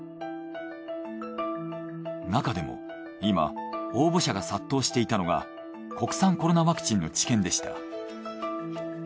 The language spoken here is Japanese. なかでも今応募者が殺到していたのが国産コロナワクチンの治験でした。